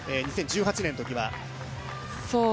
２０１８年のときは。